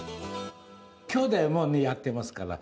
きょうだいもやってますから。